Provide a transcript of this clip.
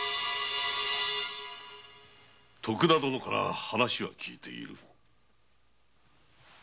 徳田殿から話は聞いている。